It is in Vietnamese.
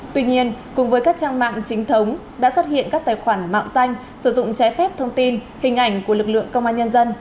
tuy nhiên cùng với các trang mạng chính thống đã xuất hiện các tài khoản mạo danh sử dụng trái phép thông tin hình ảnh của lực lượng công an nhân dân